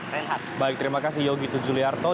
renhat baik terima kasih yogi tujuliarto